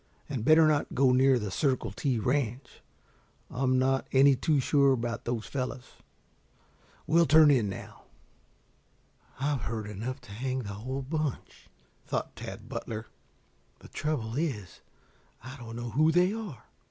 And better not go near the Circle T Ranch. I'm not any too sure about those fellows. We'll turn in now." "I've heard enough to hang the whole bunch," thought Tad Butler. "The trouble is I don't know who they are.